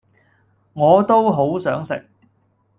我都好想食